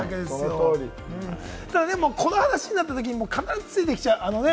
この話になったときに必ずついてきちゃう、あれ。